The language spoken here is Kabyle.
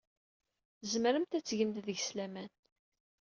Tzemremt ad tgemt deg-s laman.